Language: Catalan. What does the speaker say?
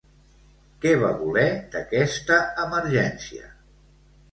Què va voler d'aquesta emergència?